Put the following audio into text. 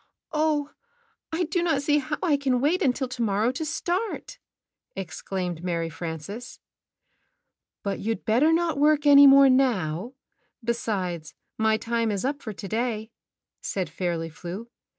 "Oh, I do not see how I can wait until to morrow to start!" exclaimed Mary Frances. "But you'd better not work any more now — besides, my time is up for to day," said Fairly Flew.